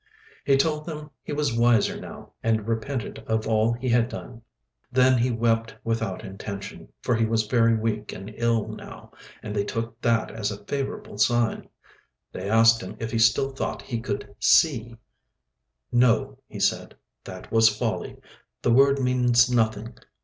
He told them he was wiser now, and repented of all he had done. Then he wept without intention, for he was very weak and ill now, and they took that as a favourable sign. They asked him if he still thought he could "see." "No," he said. "That was folly. The word means nothing.